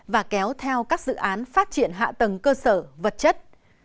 và kéo theo các dự án phát triển hạ tầng cơ sở vật chất